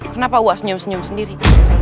kenapa uas senyum senyum sendiri